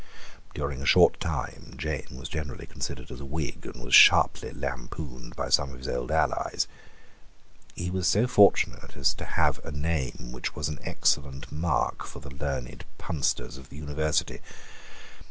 During a short time Jane was generally considered as a Whig, and was sharply lampooned by some of his old allies. He was so unfortunate as to have a name which was an excellent mark for the learned punsters of his university.